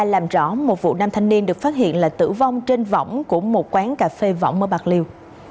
làm rõ một vụ nam thanh niên được phát hiện là tử vong trên vỏng của một quán cà phê vỏng ở bạc liêu